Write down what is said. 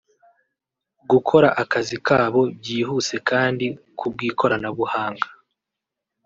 gukora akazi kabo byihuse kandi ku bw’ikoranabuhanga